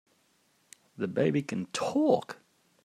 The baby can TALK!